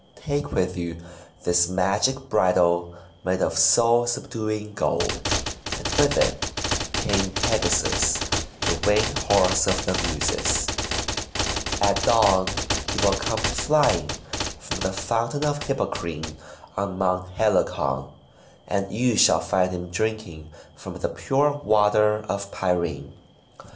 Take with you this magic bridle made of soul sub duing gold, and with it tame Pegasus, the Winged 398 THE WONDER GARDEN Horse of the Muses. At dawn he will come flying from the Fountain of Hippocrene on Mount Helicon, and you shall find him drinking from the pure water of Pirene.